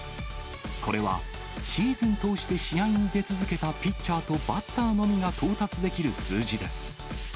これは、シーズン通して試合に出続けたピッチャーとバッターのみが到達できる数字です。